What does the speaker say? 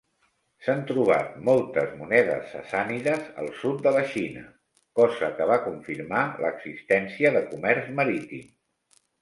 S'han trobat moltes monedes sassànides al sud de la Xina, cosa que va confirmar l'existència de comerç marítim.